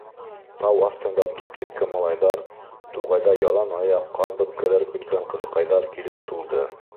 Тау аҫтында туп типкән малайҙар, туғайҙа ялан аяҡ ҡаҙ бәпкәләре көткән ҡыҙыҡайҙар килеп тулды.